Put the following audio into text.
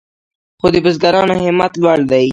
خو د بزګرانو همت لوړ دی.